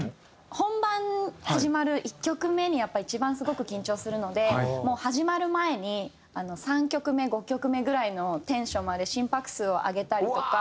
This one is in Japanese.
本番始まる１曲目にやっぱり一番すごく緊張するのでもう始まる前に３曲目５曲目ぐらいのテンションまで心拍数を上げたりとか。